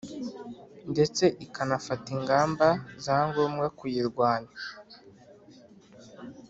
ndetse ikanafata ingamba za ngombwa kuyirwanya